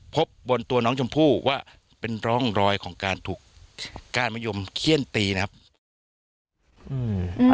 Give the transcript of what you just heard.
เจอบนตัวน้องชมพู้ว่าเป็นร้องรอยของการทุกข์การมนุมเขี่ยนตีนะครับ